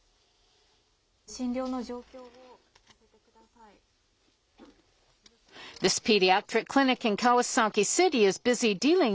診療の状況を聞かせてください。